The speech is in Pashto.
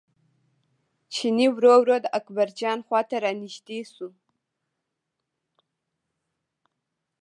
چیني ورو ورو د اکبرجان خواته را نژدې شو.